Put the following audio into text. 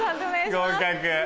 合格。